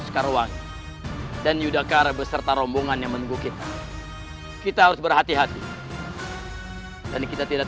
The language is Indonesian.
sekarang dan yudakar beserta rombongan yang menunggu kita kita harus berhati hati dan kita tidak